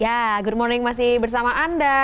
ya good morning masih bersama anda